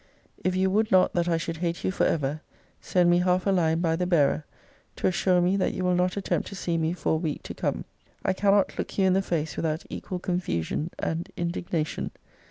If you would not that I should hate you for ever, send me half a line by the bearer, to assure me that you will not attempt to see me for a week to come. I cannot look you in the face without equal confusion and indignation.